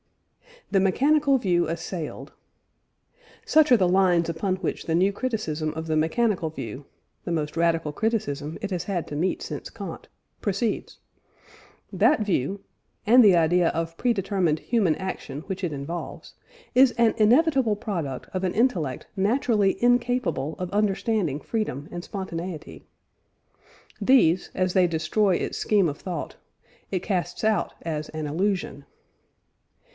THE MECHANICAL VIEW ASSAILED. Such are the lines upon which the new criticism of the mechanical view (the most radical criticism it has had to meet since Kant) proceeds. That view, and the idea of predetermined human action which it involves, is an inevitable product of an intellect naturally incapable of understanding freedom and spontaneity. These, as they destroy its scheme of thought, it casts out as an illusion.